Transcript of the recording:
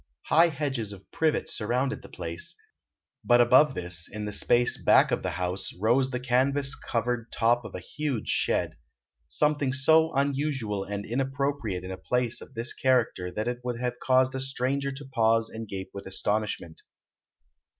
High hedges of privet surrounded the place, but above this, in the space back of the house, rose the canvas covered top of a huge shed—something so unusual and inappropriate in a place of this character that it would have caused a stranger to pause and gape with astonishment.